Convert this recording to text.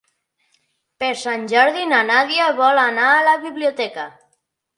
Per Sant Jordi na Nàdia vol anar a la biblioteca.